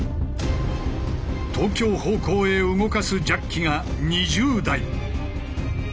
東京方向へ動かすジャッキが２０台。